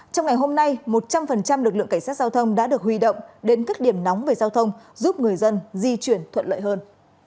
trong ngày hôm nay một trăm linh lực lượng cảnh sát giao thông đã được huy động đến các điểm nóng về giao thông giúp người dân di chuyển thuận lợi hơn